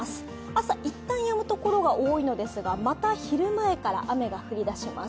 朝いったんやむところが多いのですが、また昼前から雨が降り出します。